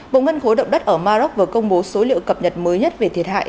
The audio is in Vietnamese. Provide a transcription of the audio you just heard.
bộ ngân khối động đất ở maroc vừa công bố số liệu cập nhật mới nhất về thiệt hại